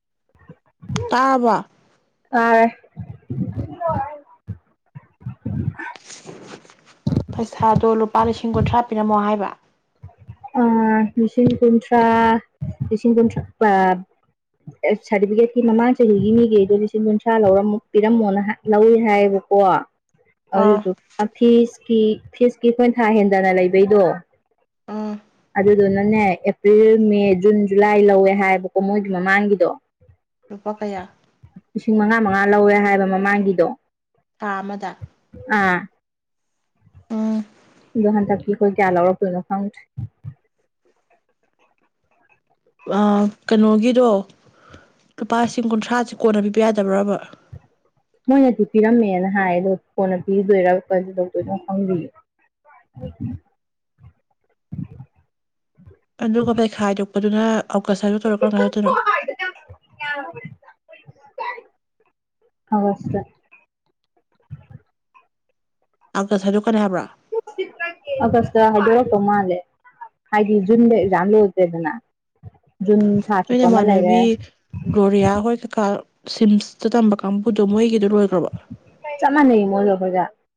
[inaudible] ꯇꯥꯕ ꯑꯥ ꯄꯩꯁꯥꯗꯣ ꯂꯨꯄꯥ ꯂꯤꯁꯤꯡ ꯀꯨꯟꯊ꯭ꯔꯥ ꯄꯤꯔꯝꯃꯣ ꯍꯥꯏꯕ ꯂꯤꯁꯤꯡ ꯀꯨꯟꯊ꯭ꯔꯥ ꯂꯤꯁꯤꯡ ꯀꯨꯟꯊ꯭ꯔꯥ ꯁꯥꯔꯇꯤꯐꯤꯀꯦꯠꯀꯤ ꯃꯃꯥꯡ ꯆꯍꯤꯒꯤ ꯃꯤꯒꯤꯗꯣ ꯂꯤꯁꯤꯡ ꯀꯨꯟꯊ꯭ꯔꯥ ꯂꯧꯔꯝ ꯄꯤꯔꯝꯃꯣꯅ ꯂꯧꯏ ꯍꯥꯏꯌꯦꯕꯀꯣ ꯑꯗꯨ ꯑꯥ ꯇ ꯐꯤꯁ ꯐꯤꯁꯀꯤ ꯀꯟꯊꯥ ꯍꯦꯟꯗꯅ ꯂꯩꯕꯩꯗꯣ ꯑꯥ ꯑꯗꯨꯗꯨꯅꯅꯦ ꯑꯦꯄ꯭ꯔꯤꯜ ꯃꯦ ꯖꯨꯟ ꯖꯨꯂꯥꯏ ꯂꯧꯋꯦ ꯍꯥꯏꯕꯀꯣ ꯃꯣꯏꯒꯤ ꯃꯃꯥꯡꯒꯤꯗꯣ ꯂꯨꯄꯥ ꯀꯌꯥ ꯂꯤꯁꯤꯡ ꯃꯉꯥ ꯃꯉꯥ ꯂꯧꯋꯦ ꯍꯥꯏꯕ ꯃꯃꯥꯡꯒꯤꯗꯣ ꯀꯥꯃꯗ ꯍꯥꯟꯇꯀꯤ ꯀꯣꯏ ꯀ ꯑꯂꯔꯄ ꯗ ꯐꯥꯎꯟ ꯀꯩꯅꯣꯒꯤꯗꯣ ꯂꯨꯄꯥ ꯂꯤꯁꯤꯡ ꯀꯨꯟꯊ꯭ꯔꯥꯁꯦ ꯀꯣꯟꯅ ꯄꯤꯕ ꯌꯥꯗꯕ꯭ꯔꯕ ꯃꯣꯏꯅꯗꯤ ꯄꯤꯔꯝꯃꯦꯅ ꯍꯥꯏ ꯑꯗꯣ ꯐꯣꯟꯅ ꯄꯤꯗꯣꯏꯔ ꯀ ꯇꯧꯗꯣꯏꯅ ꯍꯪꯕꯤꯌꯨ ꯑꯟꯗꯔ ꯀꯣꯄꯦ ꯈꯥꯏꯗ ꯄꯗꯨꯅ ꯀꯁꯥꯏꯔꯤꯕ ꯇꯔꯀ ꯐꯥꯏꯗꯅ ꯑꯋꯥꯁ ꯑ ꯀꯁꯁꯨ ꯀꯅ ꯍꯥꯏꯕ꯭ꯔꯥ ꯑꯒꯁꯇ ꯍꯥꯏꯗꯣꯔꯛꯇꯧ ꯃꯥꯜꯂꯦ ꯍꯥꯏꯗꯤ ꯖꯨꯟꯗ ꯑꯦꯛꯖꯥꯝ ꯂꯣꯏꯒ꯭ꯔꯦꯗꯅ꯫ ꯅꯣꯏ ꯅꯃꯥꯟꯅꯕꯤ ꯒ꯭ꯔꯣꯔꯤꯌꯥ ꯍꯣꯏ ꯀꯩꯀꯥꯗꯣ ꯁꯤꯝꯁꯇ ꯇꯝꯕ ꯀꯥꯡꯕꯨꯗꯣ ꯃꯣꯏꯒꯤꯗꯣ ꯔꯣꯏ ꯆꯞ ꯃꯥꯟꯅꯩꯌꯦ [unintelligible]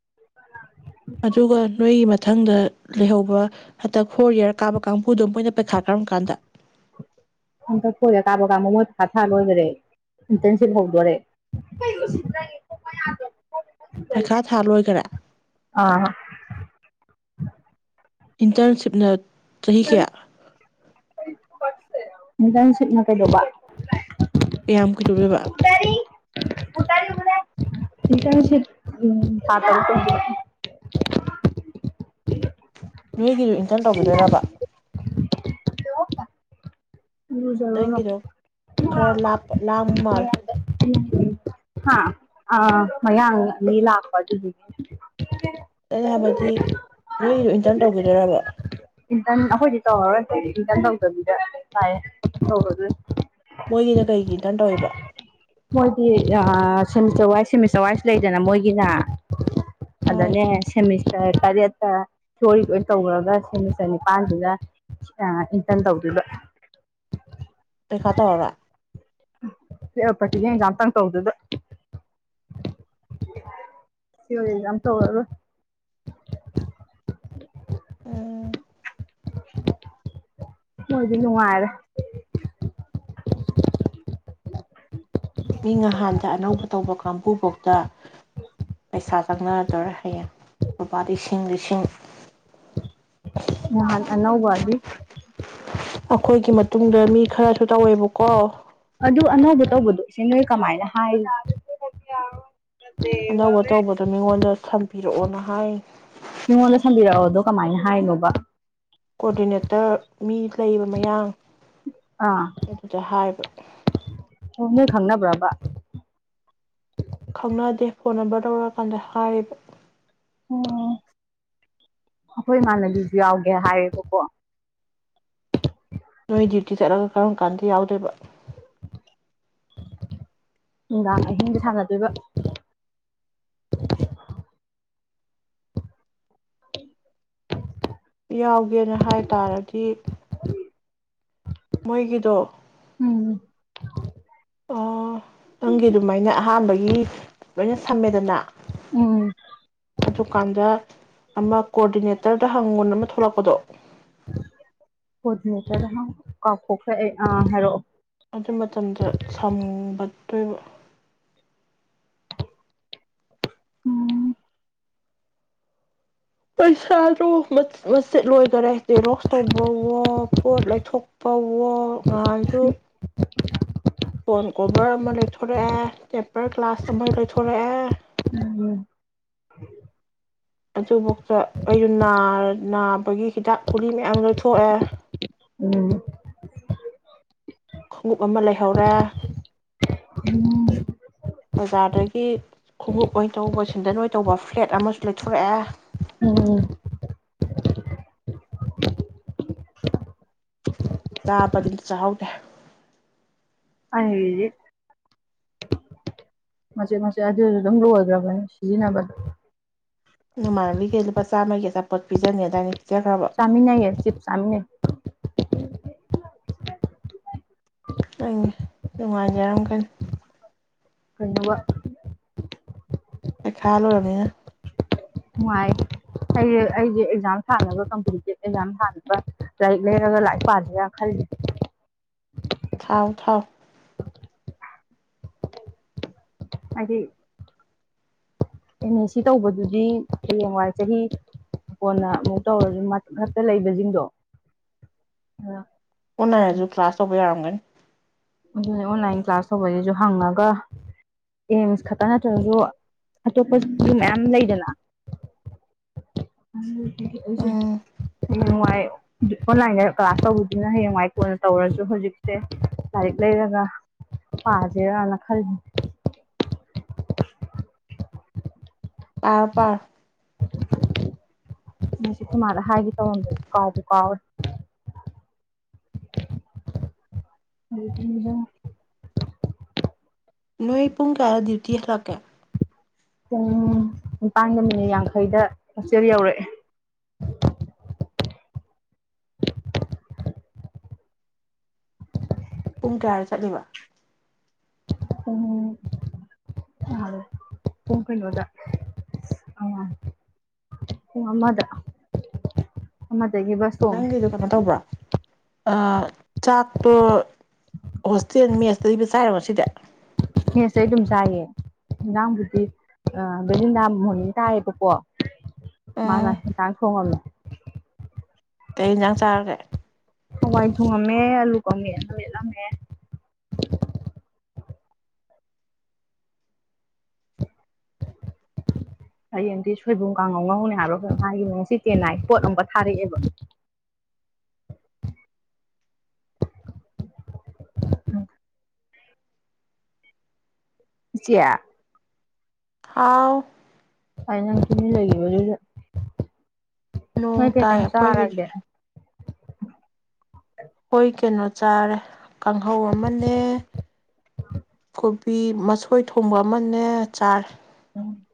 ꯑꯗꯨꯒ ꯅꯣꯏꯒꯤ ꯃꯊꯪꯗ ꯂꯩꯍꯧꯕ ꯍꯟꯗꯛ ꯐꯣꯔ ꯏꯌꯥꯔ ꯀꯥꯕ ꯀꯥꯡꯕꯨꯨꯗꯣ ꯃꯣꯏꯅ ꯄꯩꯈꯥ ꯀꯔꯝ ꯀꯥꯟꯗ꯫ ꯍꯟꯗꯛ ꯐꯣꯔ ꯢꯌꯥꯔ ꯀꯥꯕ ꯀꯥꯡꯕꯨ ꯃꯣꯏ ꯄꯩꯈꯥ ꯊꯥ ꯂꯣꯏꯒ꯭ꯔꯦ ꯏꯟꯇꯔꯟꯁꯤꯞ ꯍꯧꯗꯣꯢꯔꯦ [unintelligible] ꯄꯩꯈꯥ ꯊꯥ ꯂꯣꯏꯒꯔꯦ꯫ ꯑꯥ [inaudible] ꯏꯟꯇꯔꯟꯁꯤꯞꯅ ꯆꯍꯤ ꯀꯌꯥ꯫ ꯏꯟꯇꯔꯟꯁꯤꯞꯅ ꯀꯩꯗꯧꯕ꯫ ꯀꯌꯥꯝ ꯀꯩꯗꯧꯗꯣꯏꯕ꯫ [unintelligible] ꯏꯟꯇꯔꯟꯁꯤꯞ ꯎꯝ [unintelligible] ꯅꯣꯏꯒꯤꯖꯨ ꯏꯟꯇꯔꯟ ꯇꯧꯒꯤꯗꯣꯏꯔꯕ꯫ ꯂꯨꯖꯔꯨꯔꯣ ꯅꯪꯒꯤꯗꯣ ꯈꯔ ꯂꯥꯞ ꯂꯥꯡ ꯃꯥꯜꯂꯦ꯫ ꯍꯥ ꯑꯥ ꯃꯌꯥꯡ ꯑꯅꯤ ꯂꯥꯛꯄ ꯑꯗꯨꯒꯤ꯫ ꯑꯩꯅ ꯍꯥꯏꯕꯗꯤ ꯅꯣꯏꯒꯤꯖꯨ ꯏꯟꯇꯔꯟ ꯇꯧꯒꯤꯗꯣꯏꯔꯕ꯫ ꯏꯟꯇꯔꯟ ꯑꯩꯈꯣꯏꯗꯤ ꯇꯧꯔꯔꯣꯏ ꯏꯟꯇꯔꯟ ꯇꯧꯗꯕꯤꯗ [unintelligible] [unintelligible] ꯃꯣꯏꯒꯤꯅ ꯀꯩꯒꯤ intern ꯇꯧꯏꯕ꯫ [unintelligible] Semester wise semester wise ꯂꯩꯗꯅ ꯃꯣꯏꯒꯤꯅ ꯑꯣ ꯑꯗꯅꯦ ꯁꯦꯃꯤꯁ ꯇꯔ ꯇꯔꯦꯠꯇ ꯊꯤꯑꯣꯔꯤ ꯂꯣꯏ ꯇꯧꯒ꯭ꯔꯒ ꯁꯦꯃꯤꯁꯇꯔ ꯅꯤꯄꯥꯟꯗꯨꯗ ꯑꯥ ꯏꯟꯇꯔꯟ ꯇꯧꯗꯣꯏꯕ꯫ ꯄꯩꯈꯥ ꯇꯧꯔꯔꯣꯏ [unintelligible] ꯄ꯭ꯔꯇꯤꯀꯦꯟ ꯑꯦꯛꯖꯥꯝꯇꯪ ꯇꯧꯗꯣꯢꯕ ꯊꯤꯑꯣꯔꯤ ꯑꯦꯛꯖꯥꯝ ꯇꯧꯔꯔꯣꯢ꯭꯫ ꯎꯝ꯫ ꯃꯣꯏꯗꯤ ꯅꯨꯡꯉꯥꯏꯔꯦ꯫ ꯃꯤ ꯉꯍꯥꯟꯗ ꯑꯅꯧꯕ ꯇꯧꯕ ꯀꯥꯡꯕꯨꯕꯧꯇ ꯄꯩꯁꯥ ꯆꯪꯅꯔꯛꯇꯣꯏꯔꯦ ꯍꯌꯦꯡ ꯂꯨꯄꯥ ꯂꯤꯁꯤꯡ ꯂꯤꯁꯤꯡ꯫ ꯅꯍꯥꯟ ꯑꯅꯧꯕꯗꯤ꯫ ꯑꯩꯈꯣꯏꯒꯤ ꯃꯇꯨꯡꯗ ꯃꯤ ꯈꯔꯁꯨ ꯇꯧꯋꯦꯕꯀꯣ꯫ ꯑꯗꯨ ꯑꯅꯧꯕ ꯇꯧꯕꯗꯣ ꯁꯤꯖꯩꯗ ꯀꯃꯥꯏꯅ ꯍꯥꯏꯔꯤ [unintelligible] ꯑꯅꯧꯕ ꯇꯧꯕꯗꯣ ꯃꯤꯉꯣꯟꯗ ꯁꯟ ꯕꯤꯔꯛꯑꯣꯅ ꯍꯥꯏ ꯃꯤꯉꯣꯟꯗ ꯁꯝꯕꯤꯔꯛꯑꯣꯗꯣ ꯀꯃꯥꯏꯅ ꯍꯥꯏꯔꯤꯅꯣꯕ꯫ ꯀꯣꯗꯤꯅꯦꯇꯔ ꯃꯤ ꯂꯩꯔꯤꯕ ꯃꯌꯥꯡ ꯑꯥ ꯑꯗꯨꯗ ꯍꯥꯏꯕ꯫ ꯑꯣ ꯅꯣꯏ ꯈꯪꯅꯕ꯭ꯔꯕ꯫ ꯈꯪꯅꯗꯦ ꯐꯣꯟ ꯅꯝꯕꯔ ꯇꯧꯔꯛꯑꯀꯥꯟꯗ ꯍꯥꯏꯔꯤꯕ꯫ ꯑꯣ ꯑꯩꯈꯣꯏ ꯏꯃꯥꯟꯅꯕꯤꯁꯨ ꯌꯥꯎꯒꯦ ꯍꯥꯏꯌꯦꯕꯀꯣ꯫ ꯅꯣꯏ ꯗ꯭ꯌꯨꯇꯤ ꯆꯠꯂꯒ ꯀꯔꯝ ꯀꯥꯟꯗ ꯌꯥꯎꯗꯣꯏꯕ꯫ ꯅꯨꯡꯗꯥꯡ ꯑꯍꯤꯡꯗ ꯁꯥꯟꯅꯗꯣꯏꯕ [inaudible] ꯌꯥꯎꯒꯦꯅ ꯍꯥꯏ ꯇꯥꯔꯗꯤ ꯃꯣꯏꯒꯤꯗꯣ ꯎꯝ ꯑꯣ ꯅꯪꯒꯤ ꯑꯗꯨꯃꯥꯏꯅ ꯑꯍꯥꯟꯕꯗ ꯌꯦ ꯂꯣꯏꯅ ꯁꯝꯃꯦꯗꯅ ꯎꯝ ꯑꯗꯨꯀꯥꯟꯗ ꯑꯃ ꯀꯣꯑꯣꯔꯗꯤꯅꯦꯠ ꯇꯔꯗ ꯍꯪꯒꯨꯣꯟ ꯑꯃ ꯊꯣꯛꯂꯛꯄꯗꯣ ꯇ ꯀꯈ ꯑ ꯍꯥꯏꯔꯣ ꯑꯗꯨ ꯃꯇꯝꯗ ꯁꯝꯒꯗꯣꯏꯕ ꯎꯝ ꯄꯩꯁꯥꯗꯨꯣ ꯃꯆꯦꯠ ꯂꯣꯏꯈꯔꯦ ꯦꯔꯣꯛꯁ ꯇꯧꯕꯋꯣ ꯄꯣꯠ ꯂꯩꯊꯣꯛꯄꯋꯣ ꯉꯉꯥꯡꯁꯨ ꯐꯣꯟ ꯀꯣꯚꯔ ꯑꯃ ꯂꯩꯊꯣꯔꯛꯑꯦ ꯇꯦꯝꯄꯔ ꯒ꯭ꯂꯥꯁ ꯑꯃ ꯂꯩꯊꯣꯔꯛꯑꯦ ꯎꯝ ꯑꯗꯨꯐꯥꯎꯗ ꯑꯩꯁꯨ ꯅꯥꯕꯒꯤ ꯍꯤꯗꯥꯛ ꯀꯨꯂꯤ ꯃꯌꯥꯝ ꯂꯣꯏꯊꯣꯛꯑꯦ ꯎꯝ ꯈꯣꯡꯎꯞ ꯑꯃ ꯂꯩꯍꯧꯔꯦ ꯕꯖꯥꯔꯗꯒꯤ ꯈꯣꯡꯎꯞ ꯑꯣꯏꯅ ꯇꯧꯕ ꯁꯤꯟꯗꯟ ꯑꯣꯏꯅ ꯇꯧꯕ ꯐ꯭ꯂꯦꯠ ꯑꯃꯁꯨ ꯂꯩꯊꯣꯔꯛꯑꯦ ꯎꯝ ꯆꯥꯕꯗꯤꯗꯤ ꯆꯍꯗ꯭ꯔꯦ ꯑꯪꯦꯖꯤ ꯃꯆꯦꯠ ꯃꯆꯦꯠ ꯑꯗꯨꯁꯨ ꯑꯗꯨꯝ ꯂꯣꯏꯈ꯭ꯔꯕꯅꯦ ꯁꯤꯖꯤꯟꯅꯕꯗ ꯅꯃꯥꯟꯅꯕꯤꯒ ꯂꯨꯄꯥ ꯆꯥꯝꯃꯒꯤ ꯑꯆꯥꯄꯣꯠ ꯄꯤꯖꯒꯉꯦꯗꯥꯏꯗꯤ ꯆꯃꯤꯅ ꯁꯤꯞ ꯆꯃꯤꯅ ꯑꯩ ꯅꯨꯡꯉꯥꯏꯖꯔꯝꯒꯅꯤ ꯀꯩꯅꯃ ꯑꯦ ꯈꯌꯥꯜ ꯑꯣꯏꯔꯅꯦ ꯅꯨꯡꯉꯥꯏ ꯑꯩꯁ ꯑꯩꯁꯦ ꯑꯦꯛꯖꯥꯝ ꯊꯥꯅꯕ ꯀꯝꯄꯤꯇꯤꯇꯤꯞ ꯑꯦꯛꯖꯥꯝ ꯊꯥꯅꯕ ꯂꯥꯏꯔꯤꯛ ꯂꯩꯔꯒ ꯂꯥꯏꯔꯤꯛ ꯄꯥꯁꯔꯥ ꯈꯜꯂꯤ ꯊꯥꯎ ꯊꯥꯎ ꯍꯥꯏꯗꯤ ꯑꯦꯟ ꯑꯦꯁ ꯁꯤ ꯇꯧꯕꯗꯨꯗꯤ ꯍꯌꯦꯡ ꯋꯥꯏ ꯆꯍꯤ ꯀꯣꯟꯅ ꯑꯃꯨꯛ ꯇꯧꯔꯁꯨ ꯉꯛꯇ ꯂꯩꯕꯁꯤꯡꯗꯣ ꯑ ꯑꯣꯅꯥꯁꯨ ꯀ꯭ꯂꯥꯁ ꯇꯧꯕ ꯌꯥꯔꯝꯒꯅꯤ ꯑꯗꯨꯅ ꯑꯣꯟꯂꯥꯏꯟ ꯀ꯭ꯂꯥꯁ ꯇꯧꯕꯁꯤꯁꯨ ꯍꯪꯉꯒ ꯑꯦꯝꯁ ꯈꯛꯇ ꯅꯠꯇ꯭ꯔꯁꯨ ꯑꯇꯣꯞꯄ ꯃꯌꯥꯝ ꯂꯩꯗꯅ ꯑꯩꯁꯦ ꯎꯝ ꯍꯌꯦ ꯅꯨꯡꯉꯥꯏ ꯑꯣꯟꯂꯥꯏꯟꯗ ꯀ꯭ꯂꯥꯁ ꯇꯧꯕꯗꯨꯅ ꯍꯌꯦꯡꯋꯥꯏ ꯀꯣꯟꯅ ꯇꯧꯔꯁꯨ ꯍꯧꯖꯤꯛꯁꯦ ꯂꯥꯏꯔꯤꯛ ꯂꯩꯔꯒ ꯄꯥꯁꯦꯔꯅ ꯈꯜꯂꯤ ꯄꯔ ꯄꯔ ꯉ ꯊꯃꯅ ꯍꯥꯏꯒꯦ ꯇꯧꯔꯝꯗ꯭ꯔ ꯀꯥꯎꯁꯨ ꯀꯥꯎ ꯅꯣꯏ ꯄꯨꯡꯀꯥꯔꯥ ꯗꯌꯇ ꯍꯂꯀ ꯄꯨꯡ ꯅꯤꯄꯥꯥꯟꯒ ꯃꯤꯅꯤꯠ ꯌꯥꯡꯈꯩꯗ ꯍꯛꯆꯦꯜ ꯌꯧꯔꯛꯑꯦ ꯄꯨꯡ ꯀꯌꯥꯗ ꯆꯠꯂꯤꯕ ꯎ ꯀ ꯍꯗ ꯑꯃꯗ ꯕꯁ ꯇꯣꯡꯉꯦ ꯅꯪꯒꯤꯗꯨꯣ ꯀꯩꯅꯣ ꯇꯧꯕ꯭ꯔꯣ ꯆꯥꯛꯇꯣ ꯍꯣꯁꯇꯦꯜ ꯃꯦꯁꯇ ꯂꯩꯕ ꯆꯥꯏꯔꯣ ꯁꯤꯗ ꯍꯦꯁꯦ ꯑꯩ ꯑꯗꯨꯝ ꯆꯥꯏꯌꯦ ꯌꯦꯟꯖꯥꯡꯕꯨꯗꯤ ꯕꯦꯂꯤꯟꯗꯥ ꯃꯣꯔꯡ ꯇꯥꯏꯌꯦꯕꯀꯣ ꯃꯥꯅ ꯍꯟꯁꯥꯡ ꯊꯣꯡꯉꯝꯃꯦ ꯀꯩ ꯌꯦꯟꯁꯥꯡ ꯆꯥꯔꯨꯔꯦ ꯍꯋꯥꯏ ꯊꯨꯡꯉꯝꯃꯦ ꯑꯂꯨ ꯀꯧꯃꯦ ꯂꯦꯠꯂꯝꯃꯦ ꯍꯌꯦꯡꯗꯤ ꯁꯣꯏꯕꯨꯝ ꯀꯥꯡꯉꯧ ꯉꯧꯅꯦ ꯍꯥꯏꯕ꯭ꯔꯣ ꯃꯥꯒꯤ ꯉꯁꯤ ꯆꯦꯟꯅꯥꯏ ꯄꯣꯠ ꯑꯃꯛ ꯊꯥꯔꯛꯑꯦꯕ ꯏꯆꯦ ꯍꯥꯎ ꯑꯥꯏꯅꯪ ꯇꯃꯤꯅ ꯂꯩꯕꯗꯨꯗ ꯍꯣꯏ ꯅꯣꯡ ꯀꯩ ꯇꯥꯏ ꯅꯪ ꯑꯩꯈꯣꯏꯒꯤꯗꯤ ꯆꯔꯑꯒꯦ ꯍꯣꯏ ꯀꯩꯅꯣ ꯆꯥꯔꯦ ꯀꯥꯡꯍꯧ ꯑꯃꯅꯦ ꯀꯣꯕꯤ ꯃꯁꯣꯏ ꯊꯣꯡꯕ ꯑꯃꯅꯦ ꯆꯥꯔꯦ ꯎꯝ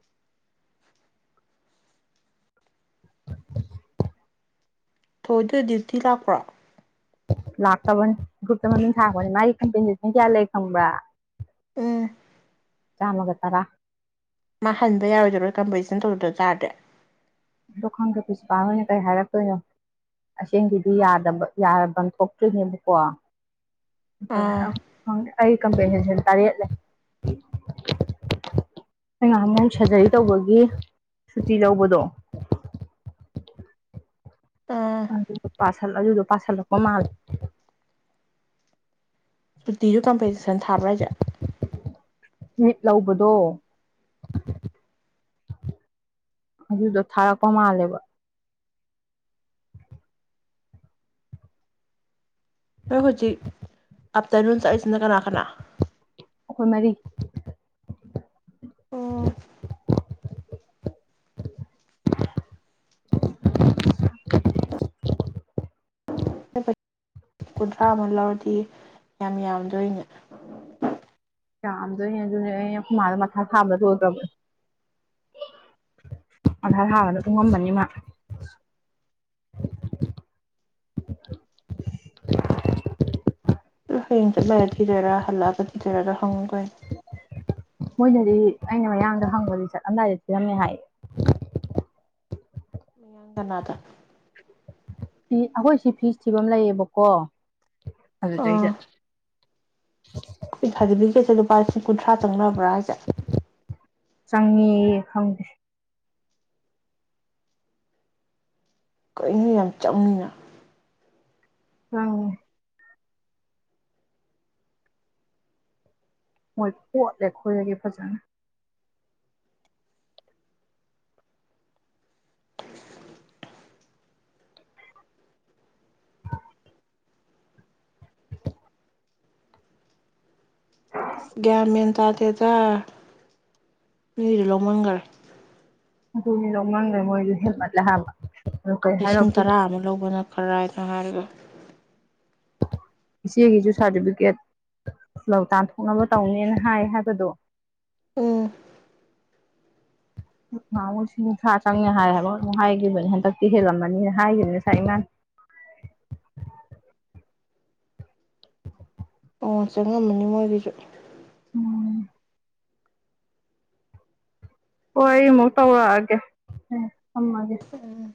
[unintelligible] ꯊꯣꯏꯗꯣꯏ ꯗ꯭ꯌꯨꯇꯤ ꯂꯥꯛꯄ꯭ꯔꯣ ꯂꯥꯛꯇꯕꯅꯤ ꯒ꯭ꯔꯨꯞꯇ ꯃꯃꯤꯡ ꯊꯥꯔꯛꯄꯅꯤ ꯃꯥꯒꯤ ꯀꯝꯄꯦꯟꯁꯦꯁꯟ ꯀꯌꯥ ꯂꯩ ꯈꯪꯕ꯭ꯔꯥ ꯎꯝ ꯆꯥꯝꯃꯒ ꯇꯔꯥ ꯃꯥ ꯍꯟꯕ ꯌꯥꯔꯣꯏꯗꯔꯣꯏ ꯀꯝꯄꯣꯖꯤꯁꯟ ꯇꯧꯗꯗꯕ ꯇꯔꯗ꯭ꫯ ꯑꯗꯣ ꯈꯪꯗꯦ ꯄ꯭ꯔꯤꯟꯁꯤꯄꯥꯜꯣꯏꯅ ꯀꯩ ꯍꯥꯏꯔꯛꯇꯣꯏꯅꯣ ꯑꯁꯦꯡꯒꯤꯗꯤ ꯌꯥ ꯊꯣꯛꯇ꯭ꯔꯤꯅꯦꯕꯀꯣ ꯑꯥ ꯑꯩ ꯀꯝꯄꯦꯅꯤꯁ ꯇꯔꯦꯠꯂꯦ ꯑ ꯉ ꯑꯃꯨꯛ ꯁꯔꯖꯔꯤ ꯇꯧꯕꯒꯤ ꯁꯨꯇꯤ ꯂꯧꯕꯗꯣ ꯑꯥ ꯑꯗꯨ ꯄꯁꯜ ꯑꯗꯨꯗ ꯄꯁꯜꯀ ꯃꯥꯜ ꯐꯇꯤꯁꯨ ꯀꯝ ꯄꯩꯁꯦ ꯁꯦꯟꯊꯥꯔ ꯕꯔꯣ ꯃꯤꯠ ꯂꯧꯕꯗꯣ ꯑꯗꯨꯗꯣ ꯊꯥꯔꯛꯄ ꯃꯥꯜꯂꯦꯕ ꯅꯣꯏ ꯍꯧꯖꯤꯛ ꯑꯞꯇꯔꯣꯟ ꯆꯥꯛꯂꯤꯁꯅ ꯀꯅꯥ ꯀꯅꯥ ꯑꯩꯈꯣꯏꯃꯔꯤ ꯎꯝ ꯀꯨꯟꯊ꯭ꯔꯥ ꯑꯃ ꯂꯧꯔꯗꯤ ꯌꯥꯝ ꯌꯥꯝꯗꯣꯏꯅꯦ ꯌꯥꯝꯗꯣꯏꯅꯦ ꯑꯗꯨꯅꯦ ꯑꯩꯅ ꯍꯃꯥꯗ ꯃꯊꯥ ꯊꯥꯕꯗ ꯂꯣꯗ꯭ꯔꯕ ꯃꯊꯥ ꯊꯥꯕꯗ ꯇꯣꯡꯉꯝꯕꯅꯤ ꯃꯥ ꯍꯌꯦꯡ ꯆꯠꯂꯒ ꯊꯤꯗꯣꯏꯔꯥ ꯍꯜꯂꯛꯑꯒ ꯊꯤꯗꯣꯏꯔꯗ ꯍꯪꯉꯨꯀꯅꯦ ꯃꯣꯏꯅꯗꯤ ꯑꯩꯅ ꯃꯌꯥꯡꯗ ꯍꯪꯕꯗꯤ ꯆꯠꯂꯝꯗꯥꯏꯗ ꯊꯤꯔꯝꯃꯦ ꯍꯥꯏꯌꯦ ꯃꯌꯥꯡꯒꯅꯥꯗ ꯐ ꯑꯩꯈꯣꯏꯁꯤ ꯐꯤꯁ ꯊꯤꯕꯝ ꯂꯩꯌꯦꯕꯀꯣ ꯑꯗꯨꯗ ꯑꯥ ꯆꯩꯩꯗ [unintelligible] ꯁꯥꯔꯇꯤꯐꯤꯀꯦꯠꯁꯦ ꯂꯨꯄꯥ ꯂꯤꯁꯤꯡ ꯀꯨꯟꯊ꯭ꯔꯥ ꯆꯪꯅꯕ꯭ꯔꯥ ꯍꯥꯏꯁꯦ ꯆꯪꯉꯌꯦ ꯈꯪꯗꯦ ꯀꯔꯤꯅꯣ ꯌꯥꯝ ꯆꯪꯉꯤꯅ ꯑ ꯃꯣꯏ ꯄꯣꯠꯂꯦ ꯈꯣꯏꯔꯒꯦ ꯐꯖꯅ ꯒ꯭ꯌꯥ ꯃꯦꯟ ꯇꯥꯗꯦꯇꯥ ꯃꯤꯗꯨ ꯂꯧꯃꯟꯈꯔꯦ ꯑꯗꯨꯅꯤ ꯅꯣ ꯃꯥꯡꯗꯣꯏ ꯃꯣꯏꯁꯨ ꯍꯦꯜꯃꯠꯂ ꯍꯥꯕ ꯂꯤꯁꯤꯡ ꯇꯔꯥ ꯑꯃ ꯂꯧꯕ ꯅꯠꯇ ꯈ ꯔꯥꯏ ꯊꯧꯍꯥꯔꯒ ꯏꯆꯦꯒꯤꯁꯨ ꯁꯥꯔꯇꯤꯐꯤꯀꯦꯠ ꯇꯥꯟꯊꯣꯛꯅꯕ ꯇꯧꯅꯦꯅ ꯍꯥꯏ ꯍꯥꯏꯕꯗꯣ ꯑꯣ ꯁꯤ ꯅꯨꯡꯁꯥ ꯆꯪꯉꯦ ꯍꯥꯏꯕ ꯑꯃꯨ ꯍꯥꯏꯈꯤꯕꯅꯤ ꯍꯟꯗꯛꯇꯤ ꯍꯦꯜꯂꯝꯃꯅꯤꯅ ꯍꯥꯏꯈꯤꯕꯅꯤ ꯉꯁꯥꯏ ꯏꯃꯥ ꯑꯣꯟꯁꯦꯉꯝꯃꯅꯤ ꯃꯣꯏꯒꯤꯁꯨ ꯎꯝ ꯍꯣꯏ ꯑꯩ ꯑꯃꯨꯛ ꯇꯧꯔꯛꯑꯒꯦ ꯊꯝꯃꯒꯦ ꯎꯝ